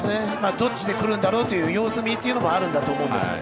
どっちで来るんだろうという様子見もあると思うんです。